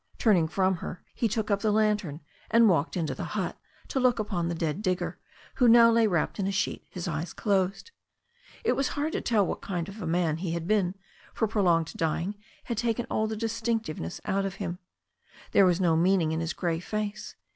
Turning from her, he took up the lantern and walked inta the hut to look upon the dead digger, who now lay wrapped in a sheet, his eyes closed. It was hard to tell what kind of a man he had been, for prolonged dying had taken all the distinctiveness out of him. There was no meaning in his grey face.